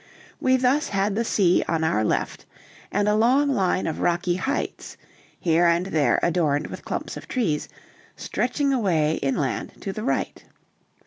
We thus had the sea on our left, and a long line of rocky heights, here and there adorned with clumps of trees, stretching away inland to the right.